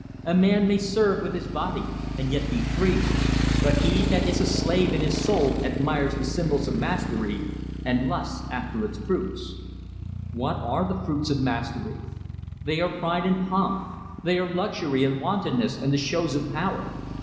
A man may serve with his body, and yet be free, but he that is a slave in his soul admires the symbols of mastery, and lusts after its fruits. "What are the fruits of mastery? They are pride and pomp, they are luxury and wantoness and the shows of power.